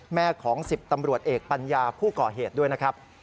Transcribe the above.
แม่ของ๑๐ตำรวจเอกปัญญาผู้ก่อเหตุด้วยนะครับ